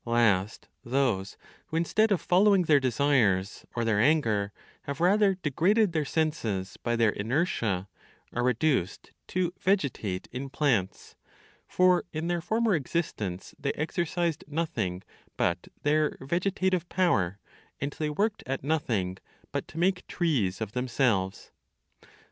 Last, those who instead of following their desires or their anger, have rather degraded their senses by their inertia, are reduced to vegetate in plants; for in their former existence they exercised nothing but their vegetative power, and they worked at nothing but to make trees of themselves.